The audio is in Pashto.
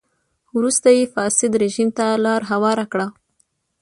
وروسته یې فاسد رژیم ته لار هواره کړه.